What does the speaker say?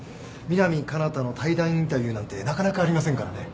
美南彼方の対談インタビューなんてなかなかありませんからね。